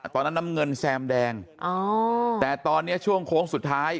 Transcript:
น้ำเงินแซมแดงอ๋อแต่ตอนนี้ช่วงโค้งสุดท้าย